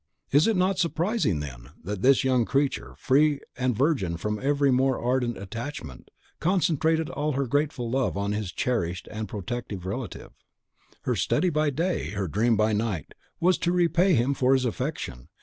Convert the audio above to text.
It is not surprising, then, that this young creature, free and virgin from every more ardent attachment, concentrated all her grateful love on this cherished and protecting relative. Her study by day, her dream by night, was to repay him for his affection.